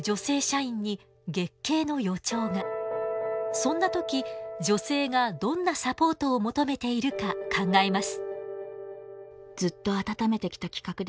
そんな時女性がどんなサポートを求めているか考えます。